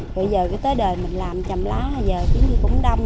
bây giờ tới đời mình làm chầm lá bây giờ cũng đông